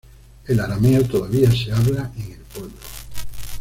El arameo todavía se habla en el pueblo.